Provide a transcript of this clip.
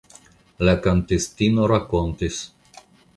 La kantistino rakontis.